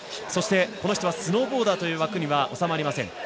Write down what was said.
そしてこの人はスノーボーダーという枠には収まりません。